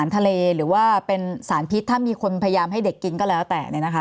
ถ้ามีคนพยายามให้เด็กกินก็แล้วแต่